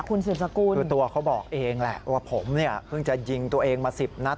คุณสืบสกุลคือตัวเขาบอกเองแหละว่าผมเนี่ยเพิ่งจะยิงตัวเองมาสิบนัด